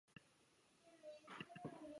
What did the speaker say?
比赛以淘汰赛方式决定优胜者。